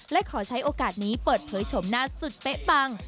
และขอใช้โอกาสนี้เปิดเผยชมหน้าสุดเป๊ะปัง